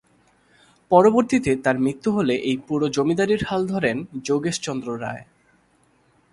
পরবর্তীতে তার মৃত্যু হলে এই পুরো জমিদারীর হাল ধরেন যোগেশ চন্দ্র রায়।